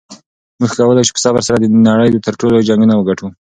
موږ کولی شو په صبر سره د نړۍ تر ټولو لوی جنګونه وګټو.